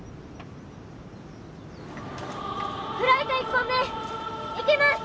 フライト１本目いきます！